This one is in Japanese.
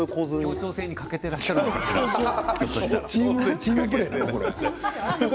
協調性に欠けていらっしゃるのかしら。